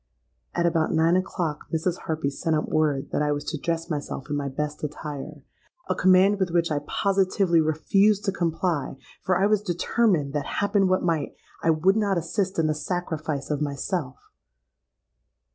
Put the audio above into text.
'—At about nine o'clock Mrs. Harpy sent up word that I was to dress myself in my best attire—a command with which I positively refused to comply for I was determined that, happen what might, I would not assist in the sacrifice of myself!